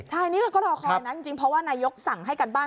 ใช่นี่เราก็รอคอยนะจริงเพราะว่านายกสั่งให้การบ้าน